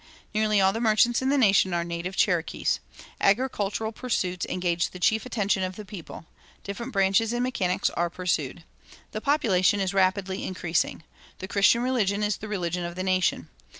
Nearly all the merchants in the nation are native Cherokees. Agricultural pursuits engage the chief attention of the people. Different branches in mechanics are pursued. The population is rapidly increasing.... The Christian religion is the religion of the nation.